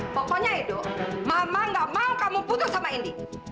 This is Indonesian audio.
pokoknya edo mama tidak mau kamu putus sama indy